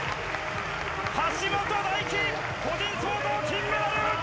橋本大輝、個人総合・金メダル！